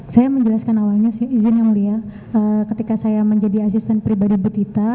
saya menjelaskan awalnya sih izin yang mulia ketika saya menjadi asisten pribadi betita